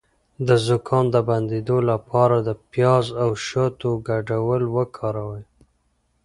د زکام د بندیدو لپاره د پیاز او شاتو ګډول وکاروئ